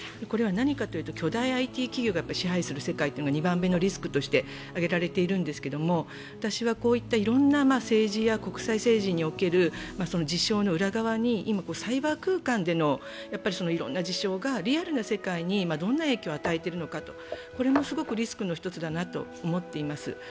これは何かというと、巨大ＩＴ企業が支配する世界というのが２番目のリスクとして挙げられているんですけど、いろんな政治や、国際政治における事象の裏側にサイバー空間でのいろんな事象がリアルな世界にどんな影響を与えているのかと、これもすごくリスクの１つだなと思っています。